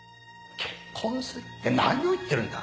結婚するって何を言ってるんだ？